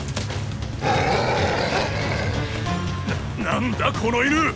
な何だこの犬！